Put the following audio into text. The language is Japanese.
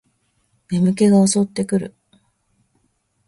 眠気が襲ってくる